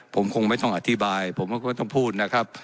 ผมคงไม่ต้องอธิบายผมก็ต้องพูดนะครับ